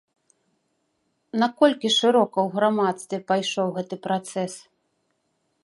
Наколькі шырока ў грамадстве пайшоў гэты працэс?